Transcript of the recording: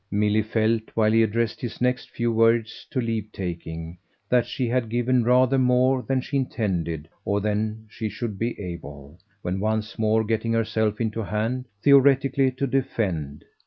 Milly felt, while he addressed his next few words to leave taking, that she had given rather more than she intended or than she should be able, when once more getting herself into hand, theoretically to defend.